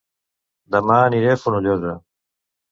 Dema aniré a Fonollosa